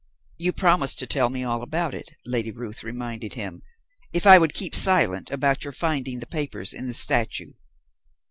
"You promised to tell me all about it," Lady Ruth reminded him, "if I would keep silent about your finding the papers in the statue."